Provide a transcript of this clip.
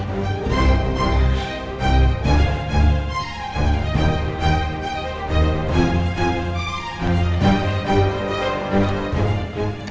aku takut pak